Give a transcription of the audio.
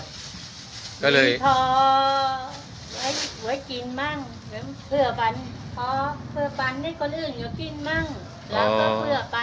มีพอไว้กินมั่งเพื่อปันให้คนอื่นกินมั่ง